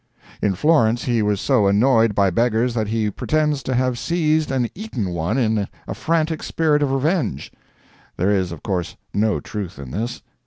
In Florence he was so annoyed by beggars that he pretends to have seized and eaten one in a frantic spirit of revenge. There is of course no truth in this.